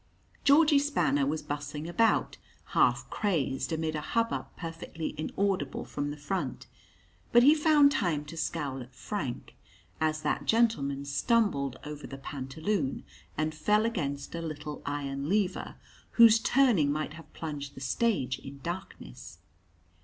Georgie Spanner was bustling about, half crazed, amid a hubbub perfectly inaudible from the front; but he found time to scowl at Frank, as that gentleman stumbled over the pantaloon and fell against a little iron lever, whose turning might have plunged the stage in darkness.